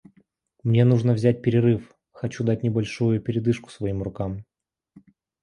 Мне нужно взять перерыв, хочу дать небольшую передышку своим рукам.